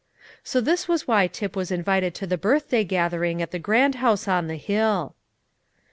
So this was why Tip was invited to the birthday gathering at the grand house on the hill.